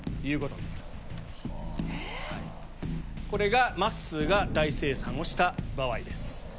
これがまっすーが大精算をした場合です。